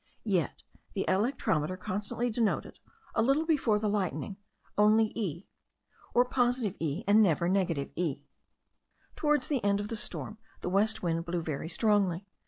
Yet the electrometer constantly denoted, a little before the lightning, only E., or positive E., and never negative E. Towards the end of the storm the west wind blew very strongly.